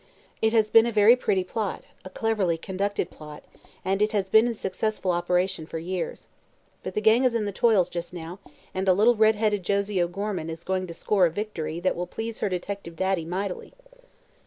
It has been a very pretty plot, a cleverly conducted plot; and it has been in successful operation for years. But the gang is in the toils, just now, and little redheaded Josie O'Gorman is going to score a victory that will please her detective daddy mightily."